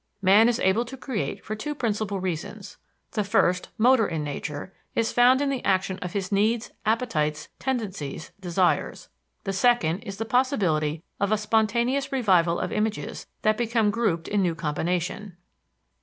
Man is able to create for two principal reasons. The first, motor in nature, is found in the action of his needs, appetites, tendencies, desires. The second is the possibility of a spontaneous revival of images that become grouped in new combination.